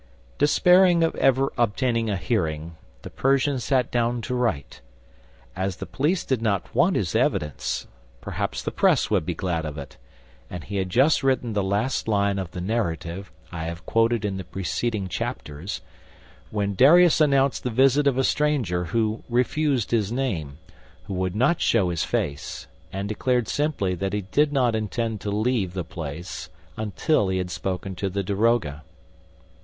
Despairing of ever obtaining a hearing, the Persian sat down to write. As the police did not want his evidence, perhaps the press would be glad of it; and he had just written the last line of the narrative I have quoted in the preceding chapters, when Darius announced the visit of a stranger who refused his name, who would not show his face and declared simply that he did not intend to leave the place until he had spoken to the daroga.